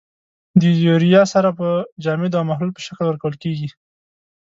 د یوریا سره په جامدو او محلول په شکل ورکول کیږي.